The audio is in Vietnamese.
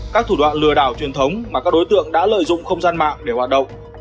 các thủ đoạn lừa đảo truyền thống mà các đối tượng đã lợi dụng không gian mạng để hoạt động